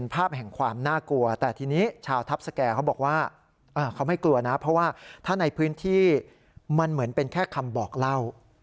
เพราะว่าถ้าในพื้นที่มันเหมือนเป็นแค่คำบอกเล่า